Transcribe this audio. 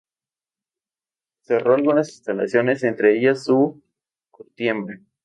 Cerró algunas instalaciones, entre ellas su curtiembre.